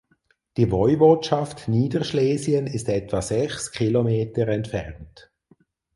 Die Woiwodschaft Niederschlesien ist etwa sechs Kilometer entfernt.